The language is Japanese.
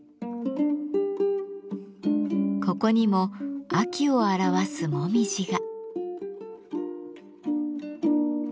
ここにも秋を表すもみじが。